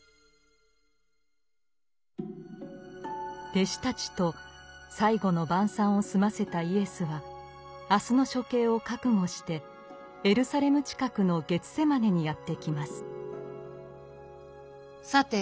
弟子たちと「最後の晩餐」を済ませたイエスは明日の処刑を覚悟してエルサレム近くのゲツセマネにやって来ます。